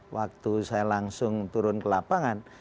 waktu saya langsung turun ke lapangan